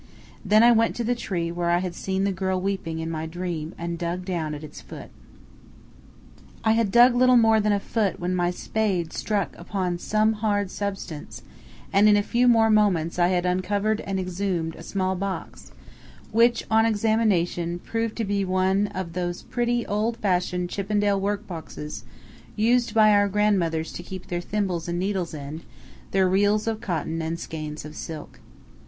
Then I went to the tree where I had seen the girl weeping in my dream and dug down at its foot. I had dug little more than a foot when my spade struck upon some hard substance, and in a few more moments I had uncovered and exhumed a small box, which, on examination, proved to be one of those pretty old fashioned Chippendale work boxes used by our grandmothers to keep their thimbles and needles in, their reels of cotton and skeins of silk.